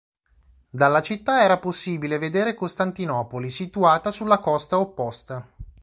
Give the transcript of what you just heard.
Dalla città era possibile vedere Costantinopoli, situata sulla costa opposta.